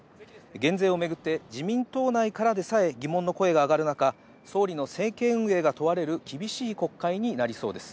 減税を巡って、自民党内からでさえ疑問の声が上がる中、総理の政権運営が問われる厳しい国会になりそうです。